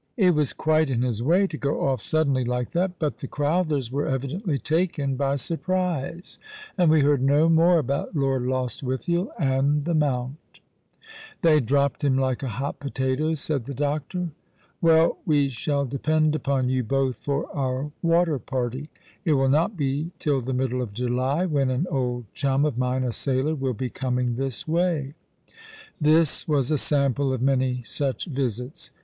It was quite in his way to go off sud denly like that, but the Crowthers were evidently taken by surprise, and we heard no more about Lord Lostwithiel and the Mount." "They dropped him like a hot potato," said the doctor. " Well, we shall depend upon you both for our water party. It will not be till the middle of July, when an old chum of mine, a sailor, will be coming this way." This was a sample of many such visits.